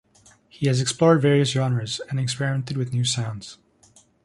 He has explored various genres, and experimented with new sounds.